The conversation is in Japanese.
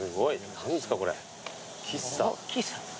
何ですかこれ。